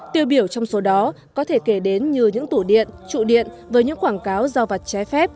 tiêu biểu trong số đó có thể kể đến như những tủ điện trụ điện với những quảng cáo giao vặt trái phép